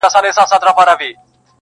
بې له کاغذه په خارجي ژبه